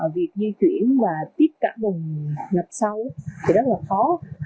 việc di chuyển và tiếp cả vùng ngập sâu thì rất là khó